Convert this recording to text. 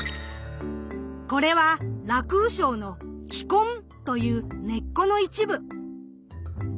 これはラクウショウの気根という根っこの一部。